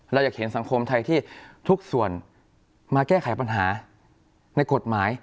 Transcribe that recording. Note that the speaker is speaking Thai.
เราอยากเห็นสังคมไทยที่ทุกส่วนมาแก้ไขปัญหาในกฎหมาย